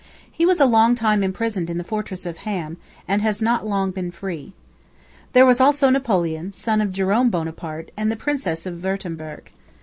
He was a long time imprisoned in the fortress of Ham, and has not long been free. There was also Napoleon, son of Jerome Buonaparte, and the Princess of Wurtemberg.